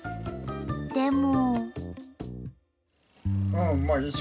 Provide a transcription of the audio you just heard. でも。